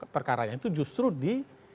perkaranya itu justru di